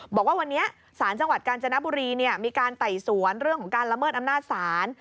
บอกว่าวันนี้ศาลจังหวัดกาญจนบุรีมีการไต่สวนเรื่องของการละเมิดอำนาจศาล